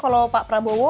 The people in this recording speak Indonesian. kalau pak prabowo